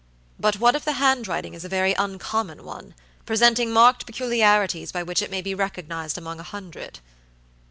"But what if the handwriting is a very uncommon one, presenting marked peculiarities by which it may be recognized among a hundred?"